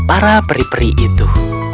para peri peri itu